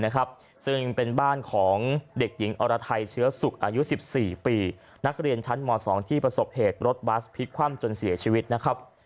ซึ่งเป็นบ้านของเด็กหญิงอรไทยเชื้อสุขอายุ๑๔ปีนักเรียนชั้นม๒ที่ประสบเหตุรถบัสพลิกคว่ำจนเสียชีวิตนะครับ